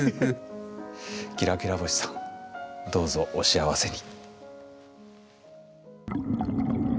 きらきらぼしさんどうぞお幸せに。